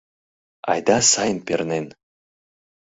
— Айда сайын пернен.